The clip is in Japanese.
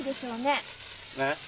えっ？